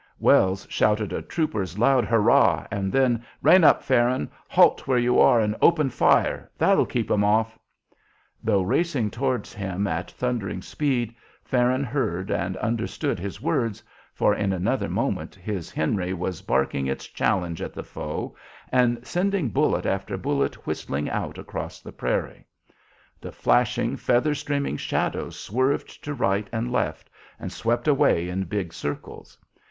Wells shouted a trooper's loud hurrah, and then, "Rein up, Farron! Halt where you are, and open fire! That'll keep 'em off!" Though racing towards him at thundering speed, Farron heard and understood his words, for in another moment his "Henry" was barking its challenge at the foe, and sending bullet after bullet whistling out across the prairie. The flashing, feather streaming shadows swerved to right and left, and swept away in big circles.